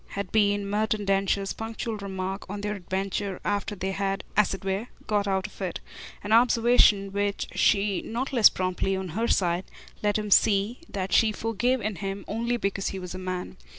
had been Merton Densher's punctual remark on their adventure after they had, as it were, got out of it; an observation which she not less promptly, on her side, let him see that she forgave in him only because he was a man.